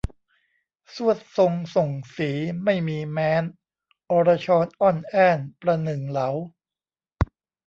ทรวดทรงส่งศรีไม่มีแม้น อรชรอ้อนแอ้นประหนึ่งเหลา